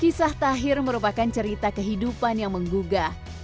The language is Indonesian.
kisah tahir merupakan cerita kehidupan yang menggugah